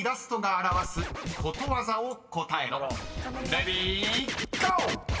［レディーゴー！］